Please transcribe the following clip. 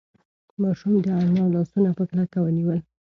ماشوم د انا لاسونه په کلکه ونیول.